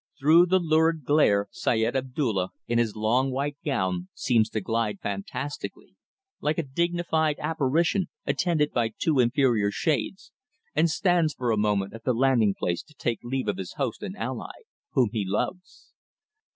Through that lurid glare Syed Abdulla, in his long white gown, seems to glide fantastically, like a dignified apparition attended by two inferior shades, and stands for a moment at the landing place to take leave of his host and ally whom he loves.